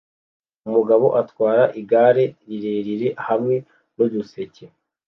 Umugabo atwara igare rirerire hamwe nuduseke